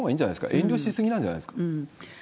遠慮し過ぎじゃないですか。